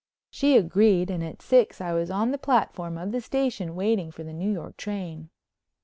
She agreed and at six I was on the platform of the station waiting for the New York train.